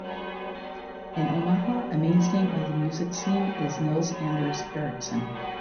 In Omaha, a mainstay of the music scene is Nils Anders Erickson.